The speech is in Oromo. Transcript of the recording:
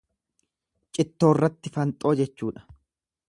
Cittoorratti fanxoo jechuudha.